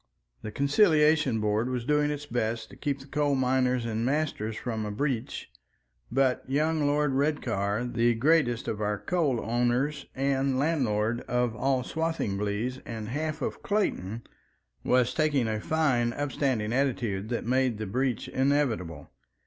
The Conciliation Board was doing its best to keep the coal miners and masters from a breach, but young Lord Redcar, the greatest of our coal owners and landlord of all Swathinglea and half Clayton, was taking a fine upstanding attitude that made the breach inevitable.